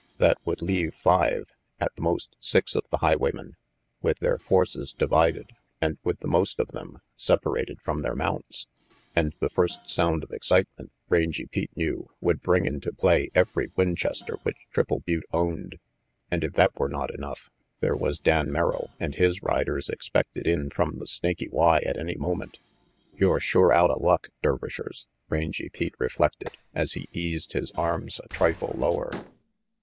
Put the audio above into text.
That would leave five, at the most six, of the highwaymen, with their forces divided, and with the most of them separated from then mounts. And the first sound of excitement, Rangy Pete knew, would bring into play every Winchester which Triple Butte owned. And if that were not enough, there was Dan Merrill and his riders expected in from the Snaky Y at any moment. "You're sure outa luck, Dervishers," Rangy Pete reflected, as he eased his arms a trifle lower.